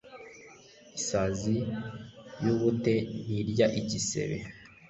Isazi y’ubute ntirya igisebe